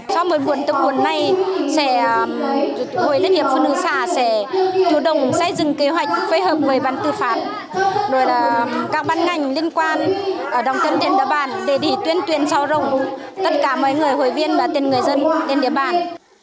sau mỗi buổi tập buổi này hội đất hiệp phụ nữ xã sẽ chủ động xây dựng kế hoạch phối hợp với bàn tử phán các bàn ngành liên quan ở đồng tiền địa bàn để đi tuyên tuyên sau rộng tất cả mấy người hội viên và tiền người dân đến địa bàn